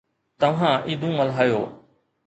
توهان عيدون ملهايو